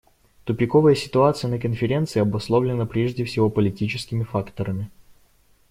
Тупиковая ситуация на Конференции обусловлена прежде всего политическими факторами.